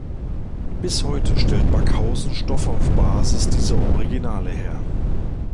Bis heute stellt Backhausen Stoffe auf Basis dieser Originale her.